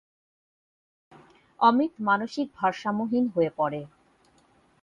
অমিত মানসিক ভারসাম্যহীন হয়ে পড়ে।